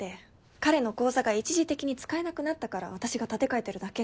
彼の口座が一時的に使えなくなったから私が立て替えてるだけで。